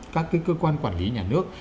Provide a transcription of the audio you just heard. các cái cơ quan quản lý nhà nước